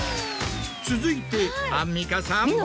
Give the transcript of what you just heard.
続いてアンミカさん。